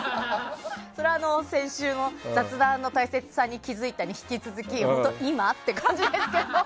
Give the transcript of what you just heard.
それは先週の雑談の大切さに気付いたに引き続き、今？って感じですけど。